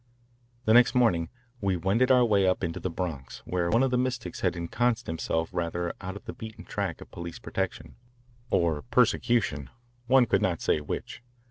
The next morning we wended our way up into the Bronx, where one of the mystics had ensconced himself rather out of the beaten track of police protection, or persecution, one could not say which.